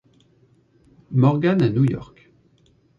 Morgan, à New-York.